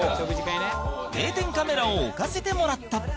定点カメラを置かせてもらった